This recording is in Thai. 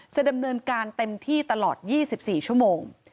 จะดำเนินการเต็มที่ตลอด๒๔ชั่วโมง